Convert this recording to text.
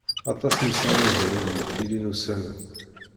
Aṭas n yisaragen i d-yettilin ussan-a.